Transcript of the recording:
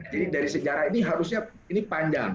jadi dari sejarah ini harusnya ini panjang